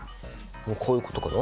こういうことかな？